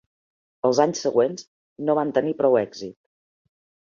Els anys següents no van tenir prou èxit.